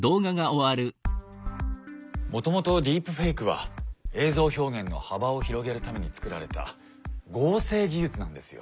もともとディープフェイクは映像表現の幅を広げるためにつくられた合成技術なんですよ。